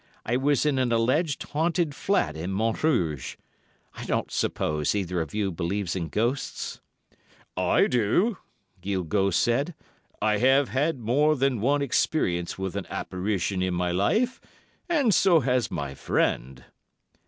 'I was in an alleged haunted flat in Montrouge. I don't suppose either of you believes in ghosts?' "'I do,' Guilgaut said. 'I have had more than one experience with an apparition in my life, and so has my friend.